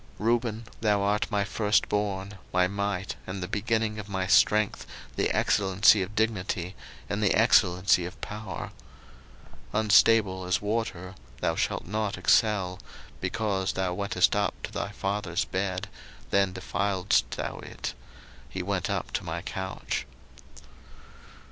01:049:003 Reuben, thou art my firstborn, my might, and the beginning of my strength, the excellency of dignity, and the excellency of power: 01:049:004 Unstable as water, thou shalt not excel; because thou wentest up to thy father's bed; then defiledst thou it: he went up to my couch.